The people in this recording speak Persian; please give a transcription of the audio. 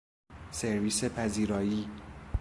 سرویس پذیرایی